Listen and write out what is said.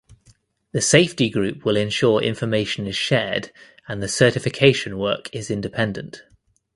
The safety group will ensure information is shared and the certification work is independent.